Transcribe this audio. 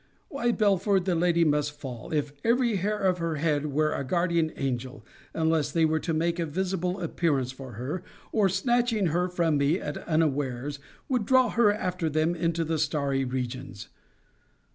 Why, Belford, the lady must fall, if every hair of her head were a guardian angel, unless they were to make a visible appearance for her, or, snatching her from me at unawares, would draw her after them into the starry regions.